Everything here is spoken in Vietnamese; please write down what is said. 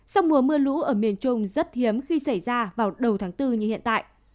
sau mùa mưa lũ ở miền trung rất hiếm khi xảy ra vào đầu tháng bốn như hiện tại